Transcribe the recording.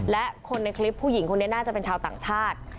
และคนในคลิปผู้หญิงคนนี้น่าจะเป็นชาวต่างชาติ